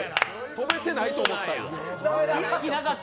飛べてないと思ったんです。